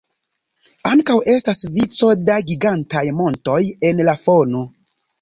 Ankaŭ estas vico da gigantaj montoj en la fono.